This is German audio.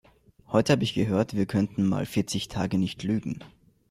Heute habe ich gehört, wir könnten mal vierzig Tage nicht Lügen.